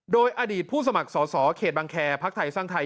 โดยอดีตผู้สมัครสอสอเขตบังแคร์พักไทยสร้างไทย